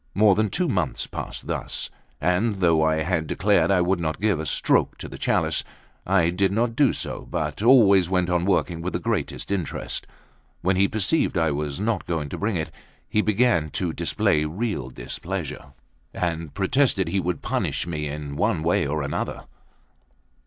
More than two months passed thus; and though I had declared I would not give a stroke to the chalice, I did not do so, but always went on working with the greatest interest. When he perceived I was not going to bring it, he began to display real displeasure, and protested he would punish me in one way or another.